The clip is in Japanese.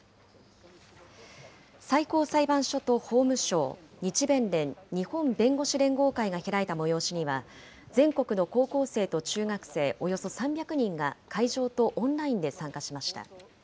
最高裁判所と法務省、日弁連・日本弁護士連合会が開いた催しには、全国の高校生と中学生、およそ３００人が会場とオンラインで参加しました。